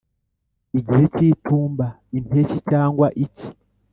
igihe cy'itumba, impeshyi, cyangwa icyi